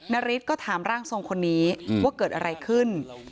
นาริสก็ถามร่างทรงคนนี้ว่าเกิดอะไรขึ้น